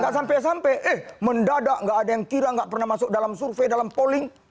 tidak sampai mendadak tidak ada yang kira tidak pernah masuk dalam survei dalam polling